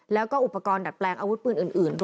แล้วก็อุปกรณ์ดัดแปลงอาวุธปืนอื่นด้วย